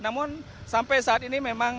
namun sampai saat ini memang